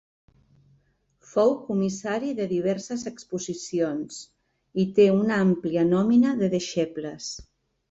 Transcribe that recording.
Fou comissari de diverses exposicions i té una àmplia nòmina de deixebles.